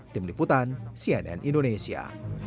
tim liputan cnn indonesia